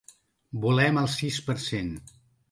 Volem el sis per cent.